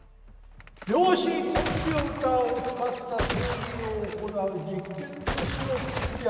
量子コンピューターを使った政治を行う実験都市を作り上げました。